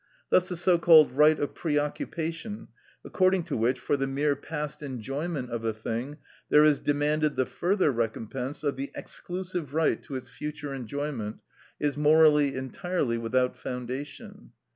Thus the so called right of preoccupation, according to which, for the mere past enjoyment of a thing, there is demanded the further recompense of the exclusive right to its future enjoyment, is morally entirely without foundation.